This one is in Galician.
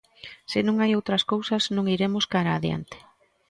Se non hai outras cousas, non iremos cara a adiante.